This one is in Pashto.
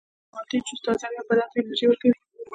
د مالټې جوس تازه وي او بدن ته انرژي ورکوي.